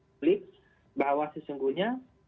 publik bahwa sesungguhnya